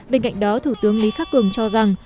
bên cạnh đó thủ tướng lý khắc cường cho rằng